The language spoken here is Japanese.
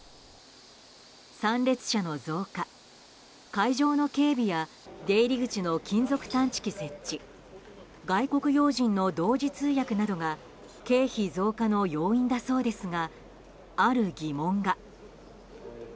参列者の増加、会場の警備や出入り口の金属探知機設置外国要人の同時通訳などが経費増加の要因だそうですがある疑問が。